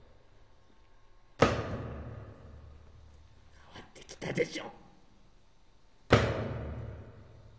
かわってきたでしょ。